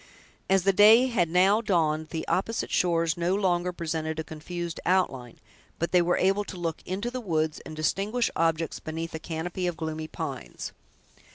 As the day had now dawned, the opposite shores no longer presented a confused outline, but they were able to look into the woods, and distinguish objects beneath a canopy of gloomy pines.